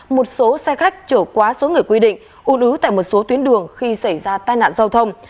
một số xe khách trở quá số người quy định u ứ tại một số tuyến đường khi xảy ra tai nạn giao thông